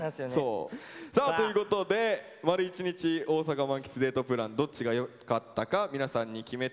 さあということで丸一日大阪満喫デートプランどっちがよかったか皆さんに決めて頂きましょう。